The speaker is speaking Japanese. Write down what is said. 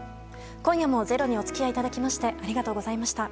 今夜も「ｚｅｒｏ」にお付き合いいただきましてありがとうございました。